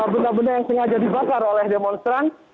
benda benda yang sengaja dibakar oleh demonstran